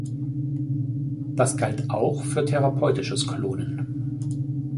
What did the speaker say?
Das galt auch für therapeutisches Klonen!